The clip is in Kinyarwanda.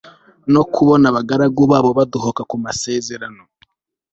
no kubona abagaragu babo badohoka ku masezerano